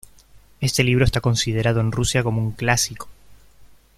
Este libro está considerado en Rusia como un clásico.